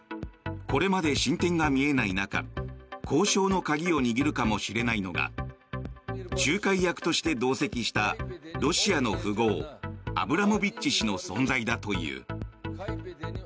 これまで進展が見えない中交渉の鍵を握るかもしれないのが仲介役として同席したロシアの富豪アブラモビッチ氏の存在だという。